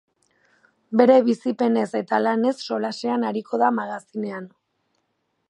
Bere bizipenez eta lanez solasean ariko da magazinean.